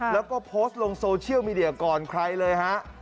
แล้วก็โพสต์ลงโซเชียลมีเดียก่อนใครเลยฮะ